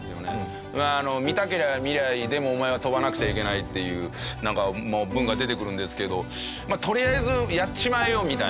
「見たけりゃ見りゃいいでもお前は跳ばなくちゃいけない」っていう文が出てくるんですけどとりあえずやっちまえよみたいな。